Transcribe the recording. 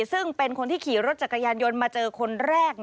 ซึ่งเป็นคนที่ขี่รถจักรยานยนต์มาเจอคนแรก